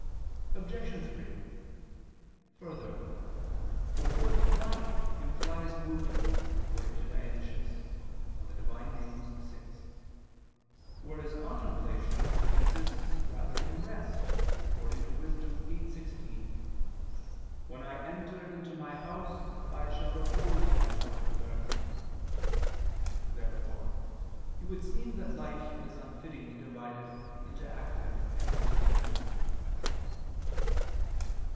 Obj. 3: Further, the word "life" implies movement, according to Dionysius (Div. Nom. vi): whereas contemplation consists rather in rest, according to Wis. 8:16: "When I enter into my house, I shall repose myself with her." Therefore it would seem that life is unfittingly divided into active and contemplative.